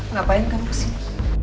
ngapain kamu kesini